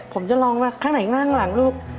ผมจะลองครั้งไหนข้างหน้าข้างหลังลูก